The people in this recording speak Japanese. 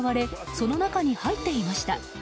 その中に入っていました。